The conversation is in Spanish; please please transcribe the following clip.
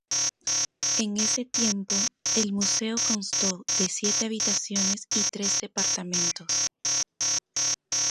En ese tiempo el museo constó de siete habitaciones y tres departamentos.